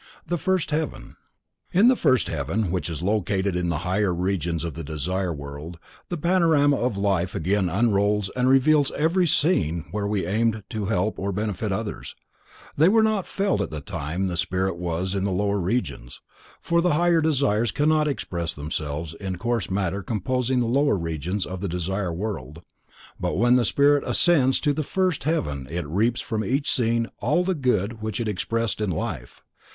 The First Heaven. In the first heaven, which is located in the higher regions of the Desire World, the panorama of life again unrolls and reveals every scene where we aimed to help or benefit others. They were not felt at the time the spirit was in the lower regions, for higher desires cannot express themselves in the coarse matter composing the lower regions of the Desire World, but when the spirit ascends to the first heaven it reaps from each scene all the good which it expressed in life.